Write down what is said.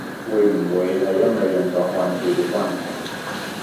會唔會係因為用咗漢字嘅關係？